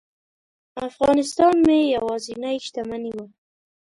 افغانستان مې یوازینۍ شتمني وه.